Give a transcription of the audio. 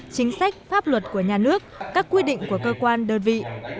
chính sách pháp luật của nhà nước các quy định của cơ quan đơn vị